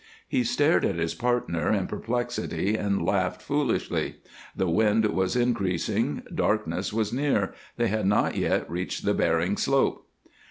He stared at his partner in perplexity and laughed foolishly. The wind was increasing, darkness was near, they had not yet reached the Bering slope.